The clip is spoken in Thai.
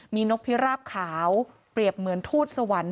มีนกพิราบขาวเปรียบเหมือนทูตสวรรค์